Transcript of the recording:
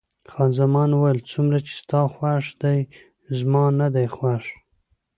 خان زمان وویل: څومره چې ستا خوښ دی، زما نه دی خوښ.